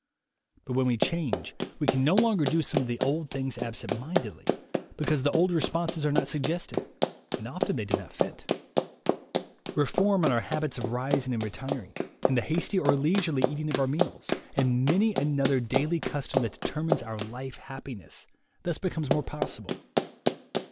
But when we change, we can no longer do some of the old things absent mindedly, because the old responses are not suggested, and often they do not fit. Reform in our habits of rising and retiring, in the hasty or leisurely eating of our meals, and many another daily custom that determines our life happiness, 80 THE WAY TO WILL POWER thus becomes more possible.